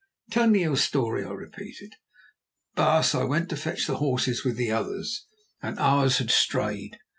"Tell me your story," I repeated. "Baas, I went to fetch the horses with the others, and ours had strayed.